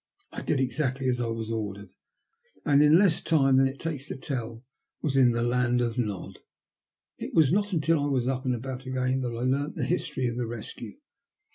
I did exactly as I was ordered, and, in less time than it takes to tell, was in the land of Nod. It was not until I was up and about again that I learnt the history of the rescue.